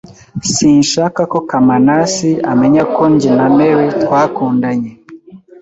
Sinshaka ko Kamanas amenya ko njye na Mary twakundanye.